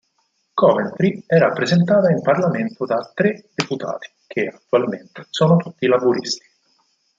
Coventry è rappresentata in Parlamento da tre deputati, che, attualmente sono tutti laburisti.